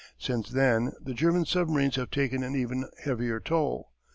Since then the German submarines have taken an even heavier toll.